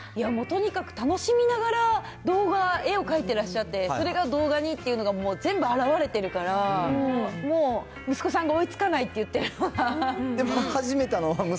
もうとにかく楽しみながら、動画、絵を描いてらっしゃって、それが動画にっていうのが、もう全部あらわれてるから、もう、息子さんが追いつかないって言ってるのが。